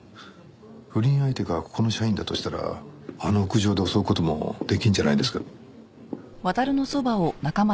不倫相手がここの社員だとしたらあの屋上で襲う事もできるんじゃないですか。